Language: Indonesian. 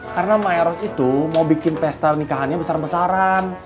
karena maeros itu mau bikin pesta nikahannya besar besaran